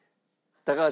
「高橋